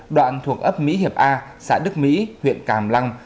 đoạn thuộc ấp mỹ hiệp a xã đức mỹ huyện càm